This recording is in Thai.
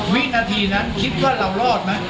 วินาทีนั้นคิดว่าเรารอดไหม